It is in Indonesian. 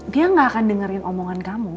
dia gak akan dengerin omongan kamu